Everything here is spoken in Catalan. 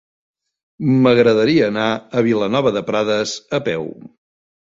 M'agradaria anar a Vilanova de Prades a peu.